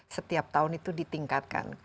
setiap tahun itu ditingkatkan